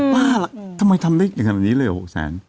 บ้าละทำไมทำได้อย่างนั้นเลย๖แสน